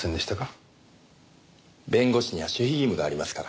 弁護士には守秘義務がありますから。